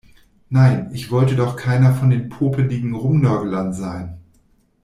Nein, ich wollte doch keiner von den popeligen Rumnörglern sein.